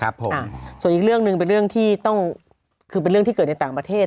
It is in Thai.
ครับผมส่วนอีกเรื่องหนึ่งเป็นเรื่องที่ต้องคือเป็นเรื่องที่เกิดในต่างประเทศ